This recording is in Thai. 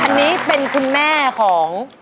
อันนี้เป็นคุณแม่ของ